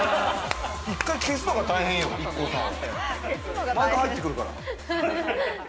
１回消すのが大変よ、ＩＫＫＯさん。